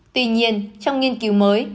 tuy nhiên trong nghiên cứu mới